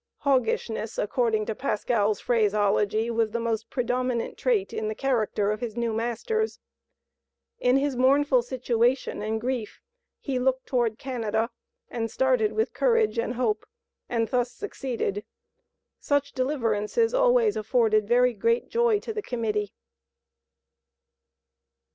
"Hoggishness," according to Pascal's phraseology, was the most predominant trait in the character of his new masters. In his mournful situation and grief he looked toward Canada and started with courage and hope, and thus succeeded. Such deliverances always afforded very great joy to the Committee.